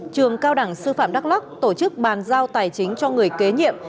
trường cao đẳng sư phạm đắk lắc tổ chức bàn giao tài chính cho người kế nhiệm